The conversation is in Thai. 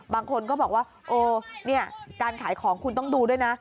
บางคนก็บอกว่าการขายของคุณต้องดูด้วยนะ